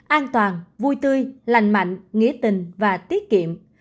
an toàn vui tươi lành mạnh nghĩa tình và tiết kiệm